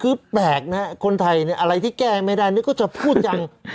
คือแปลกนะฮะคนไทยเนี่ยอะไรที่แก้ไม่ได้นี่ก็จะพูดยัง